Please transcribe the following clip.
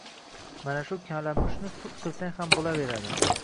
Mana shu kalamush sud qilsang ham bo‘laveradi.